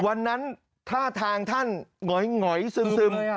วันนั้นถ้าทางท่านหงอยหงอยซึมซึม